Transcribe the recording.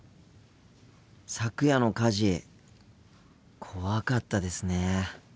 昨夜の火事怖かったですね。